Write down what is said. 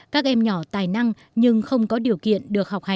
các em nhỏ tài năng nhưng không có điều kiện được học hành